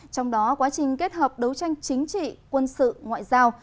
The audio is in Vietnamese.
trong đó quá trình kết hợp đấu tranh chính trị quân sự ngoại giao